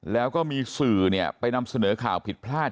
แล้วก็มีสื่อไปนำเสนอข่าวผิดพลาด